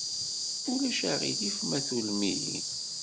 Ulac aɣilif ma tullem-iyi?